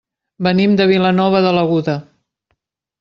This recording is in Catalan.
Venim de Vilanova de l'Aguda.